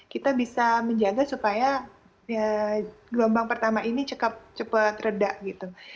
kita bisa menjaga supaya gelombang pertama ini cepat reda gitu